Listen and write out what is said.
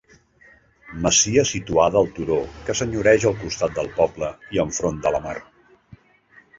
Masia situada al turó que senyoreja al costat del poble i enfront de la mar.